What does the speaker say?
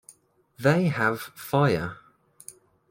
They have fire.